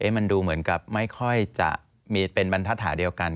มันดูเหมือนกับไม่ค่อยจะมีเป็นบรรทัศน์เดียวกัน